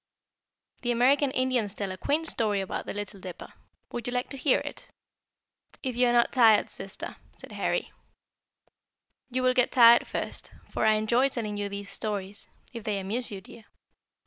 "The American Indians tell a quaint story about the Little Dipper. Would you like to hear it?" [Illustration: THE LITTLE BEAR.] "If you are not tired, sister," said Harry. "You will get tired first, for I enjoy telling you these stories, if they amuse you, dear.